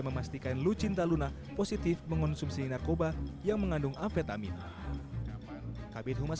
memastikan lucinta luna positif mengonsumsi narkoba yang mengandung amfetamin kabin humas